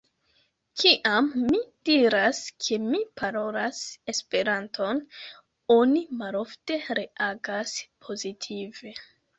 Kiam mi diras, ke mi parolas Esperanton, oni malofte reagas pozitive.